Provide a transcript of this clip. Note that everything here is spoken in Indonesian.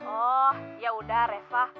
oh yaudah reva